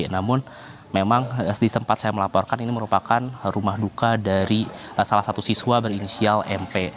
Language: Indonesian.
namun memang di tempat saya melaporkan ini merupakan rumah duka dari salah satu siswa berinisial mp